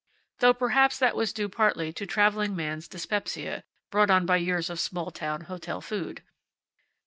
Though perhaps that was due partly to traveling man's dyspepsia, brought on by years of small town hotel food.